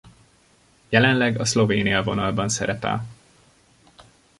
Jelenleg a szlovén élvonalban szerepel.